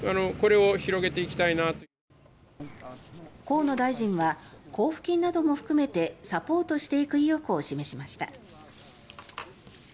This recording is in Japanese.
河野大臣は交付金などを含めてサポートしていく意欲を示しました。